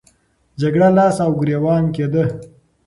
جګړه لاس او ګریوان کېده.